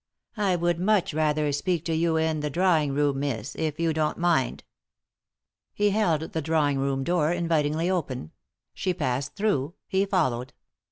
" I would much rather speak to you in the drawing room, miss, if you don't mind." He held the drawing room door invitingly open. She passed through ; he followed.